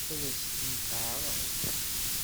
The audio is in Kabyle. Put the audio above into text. Ad as-ten-teɛṛeḍ?